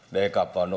đề cập vào nội dung này